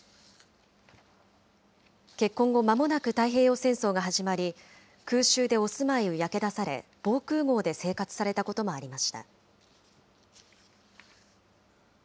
結婚後、まもなく太平洋戦争が始まり、空襲でお住まいを焼け出され、防空ごうで生活されたこともありました。